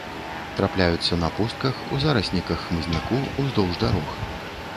Трапляюцца на пустках, у зарасніках хмызняку, уздоўж дарог.